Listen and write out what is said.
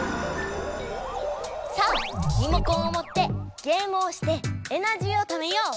さあリモコンをもってゲームをしてエナジーをためよう！